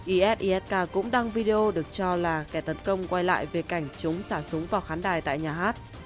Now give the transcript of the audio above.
isisk cũng đăng video được cho là kẻ tấn công quay lại về cảnh chúng xả súng vào khán đài tại nhà hát